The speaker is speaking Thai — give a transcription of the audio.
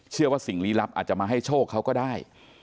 เชื่อว่าสิ่งลี้ลับอาจจะมาให้โชคเขาก็ได้